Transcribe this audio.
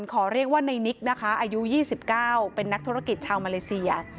ขอเรียกว่าในนิกนะคะอายุ๒๙เป็นนักธุรกิจชาวมาเลเซีย